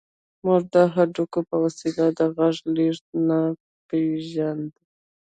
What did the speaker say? موږ د هډوکي په وسيله د غږ لېږد نه پېژاند.